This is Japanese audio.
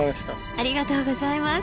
ありがとうございます！